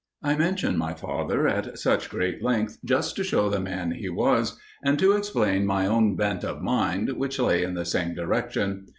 I mention my father at such great length just to show the man he was and to explain my own bent of mind, which lay in the same direction.